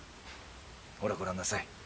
ほらごらんなさい。